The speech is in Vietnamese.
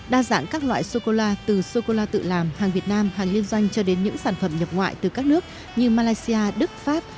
đa dạng các loại sô cô la từ sô cô la tự làm hàng việt nam hàng liên doanh cho đến những sản phẩm nhập ngoại từ các nước như malaysia đức pháp